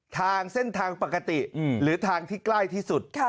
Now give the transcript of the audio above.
ทางเส้นทางปกติหรือทางที่ใกล้ที่สุด